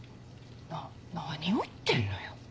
な何を言ってんのよ。